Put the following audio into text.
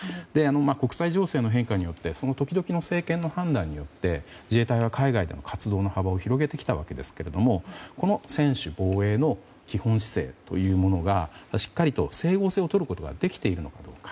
国際情勢の変化によってその時々の政権の判断によって自衛隊は海外でも活動の幅を広げてきたわけなんですけどもこの専守防衛の基本姿勢というものがしっかりと整合性をとることができているのかどうか。